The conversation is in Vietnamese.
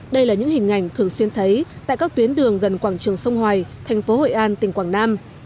đây là những hình ảnh thường xuyên thấy tại các tuyến đường gần quảng trường sông hoài thành phố hội an tỉnh quảng nam